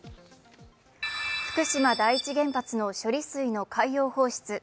福島第一原発の処理水の海洋放出。